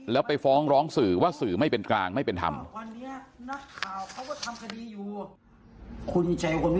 แล้วไปฟ้องร้องสื่อว่าสื่อไม่เป็นกลางไม่เป็นธรรม